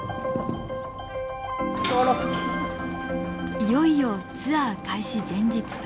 いよいよツアー開始前日。